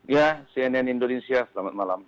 ya cnn indonesia selamat malam